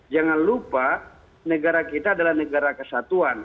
jangan lupa negara kita adalah negara kesatuan